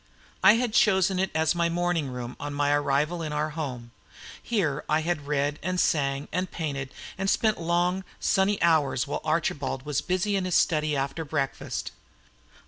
I had chosen it as my morning room on my arrival in our home; here I had read and sang and painted, and spent long, sunny hours while Archibald was busy in his study after breakfast.